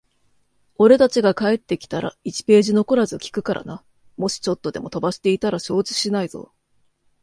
俺たちが帰ってきたら、一ページ残らず聞くからな。もしちょっとでも飛ばしていたら承知しないぞ。